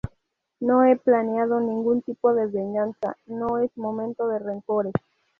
No he planeado ningún tipo de venganza, no es momento de rencores.